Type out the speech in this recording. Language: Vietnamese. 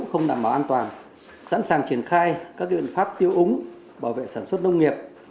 không đảm bảo an toàn sẵn sàng triển khai các biện pháp tiêu úng bảo vệ sản xuất nông nghiệp